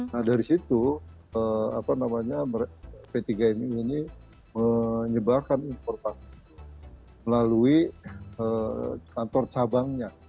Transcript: nah dari situ p tiga mi ini menyebarkan informasi melalui kantor cabangnya